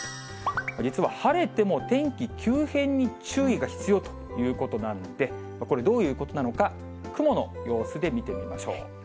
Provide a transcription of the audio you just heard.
実は晴れても天気急変に注意が必要ということなんで、これ、どういうことなのか、雲の様子で見てみましょう。